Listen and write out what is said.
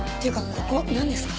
ここなんですか？